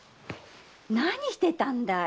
何してたんだい？